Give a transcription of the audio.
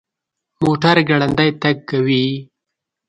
موټر ګړندی تګ کوي